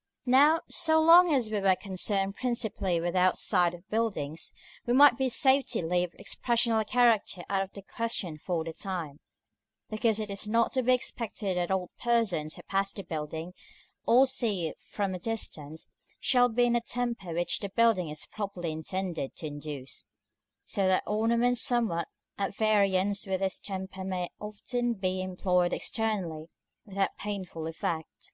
§ II. Now, so long as we were concerned principally with the outside of buildings, we might with safety leave expressional character out of the question for the time, because it is not to be expected that all persons who pass the building, or see it from a distance, shall be in the temper which the building is properly intended to induce; so that ornaments somewhat at variance with this temper may often be employed externally without painful effect.